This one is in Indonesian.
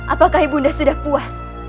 apakah ibu nda sudah puas